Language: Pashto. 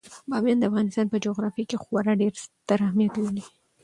بامیان د افغانستان په جغرافیه کې خورا ډیر ستر اهمیت لري.